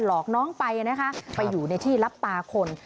หลอกน้องไปนะคะไปอยู่ในที่รับตาคน